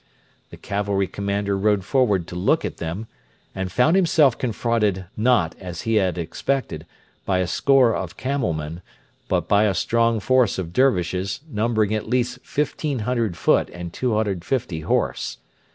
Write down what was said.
The cavalry commander rode forward to look at them, and found himself confronted, not, as he had expected, by a score of camel men, but by a strong force of Dervishes, numbering at least 1,500 foot and 250 horse.